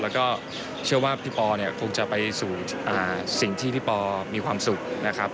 แล้วก็เชื่อว่าพี่ปอเนี่ยคงจะไปสู่สิ่งที่พี่ปอมีความสุขนะครับ